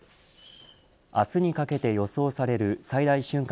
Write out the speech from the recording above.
明日にかけて予想される最大瞬間